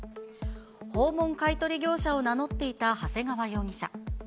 訪問買い取り業者を名乗っていた長谷川容疑者。